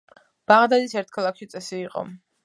ბაღდადის ერთ ქალაქში წესი იყო